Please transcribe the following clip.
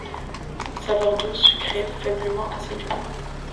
Saveurs douces, sucrées, faiblement acidulées.